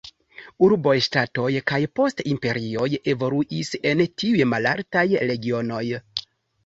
Urboj, ŝtatoj kaj poste imperioj evoluis en tiuj malaltaj regionoj.